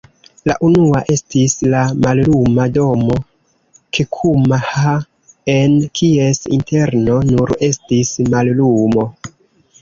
La unua estis la Malluma Domo, Kekuma-ha, en kies interno nur estis mallumo".